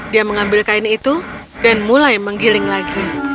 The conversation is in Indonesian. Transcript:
dia mengambil kain itu dan mulai menggiling lagi